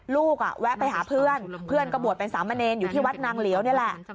แวะไปหาเพื่อนเพื่อนก็บวชเป็นสามเณรอยู่ที่วัดนางเหลียวนี่แหละ